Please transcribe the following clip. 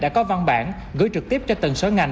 đã có văn bản gửi trực tiếp cho từng sở ngành